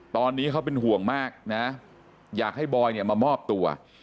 ตอนนี้เขาเป็นห่วงมากนะอยากให้บอยเนี่ยมามอบตัว